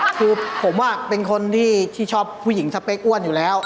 คือผมเป็นคนที่ชอบผู้หญิงสเปคอ้วนอยู่แล้ว